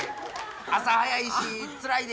朝早いしつらいで。